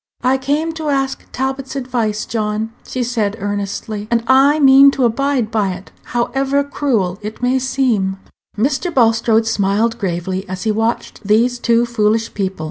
"I came to ask Talbot's advice, John," she said, earnestly, "and I mean to abide by it, however cruel it may seem." Mr. Bulstrode smiled gravely as he watched these two foolish people.